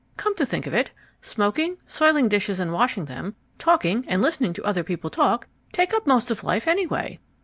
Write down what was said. Come to think of it, smoking, soiling dishes and washing them, talking and listening to other people talk, take up most of life anyway."